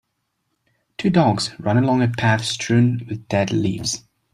Two dogs run along a path strewn with dead leaves.